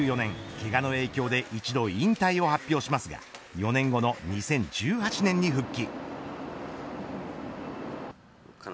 けがの影響で一度引退を発表しますが４年後の２０１８年に復帰。